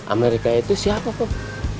amerika itu siapa kum